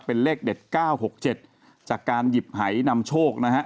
เป็นเลขเด็ด๙๖๗จากการหยิบหายนำโชคนะฮะ